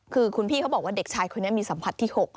คือคุณพี่เขาบอกว่าเด็กชายคนนี้มีสัมผัสที่๖